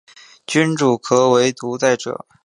君主可为独裁者。